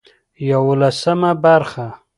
يولسمه برخه